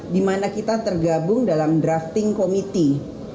dimana kita tergabung dalam drafting committee